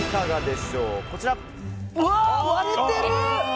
割れてる！